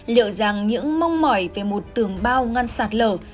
liệu rằng những mong mỏi về một tường bao ngăn sạt lở